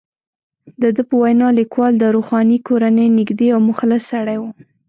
د ده په وینا، لیکوال د روښاني کورنۍ نږدې او مخلص سړی وو.